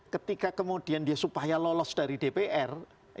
ketika kemudian dia supaya lolos dari dpr